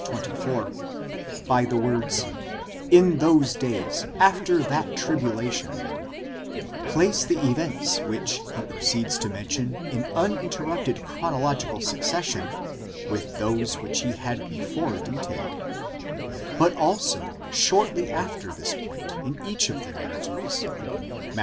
24, by the words, iz those days, after that tribulation, ἐν ἐκείναις ταῖς ἡμέραις μετὰ τὴν θλίψιν ἐκείνην, place the events which he proceeds to mention in uninterrupted chronological succession with those which he had before detailed; but also, shortly after this point in each of the narratives (Matt.